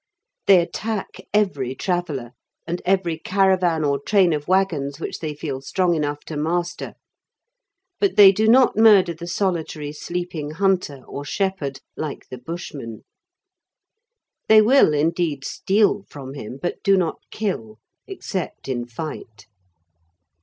They attack every traveller, and every caravan or train of waggons which they feel strong enough to master, but they do not murder the solitary sleeping hunter or shepherd like the Bushmen. They will, indeed, steal from him, but do not kill, except in fight.